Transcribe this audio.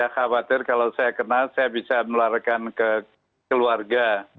khawatir kalau saya kenal saya bisa melarikan ke keluarga